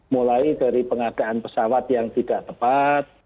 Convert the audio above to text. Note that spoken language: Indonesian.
mulai dari pengadaan pesawat yang tidak tepat